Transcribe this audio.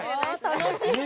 楽しみ。